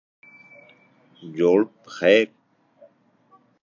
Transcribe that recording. جوړ پخیر